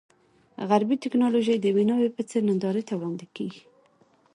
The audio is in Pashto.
غربي ټکنالوژي د یوې ناوې په څېر نندارې ته وړاندې کېږي.